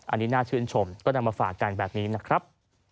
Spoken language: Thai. อันนี้น่าชื่นชมก็นำมาฝากกันแบบนี้นะครับ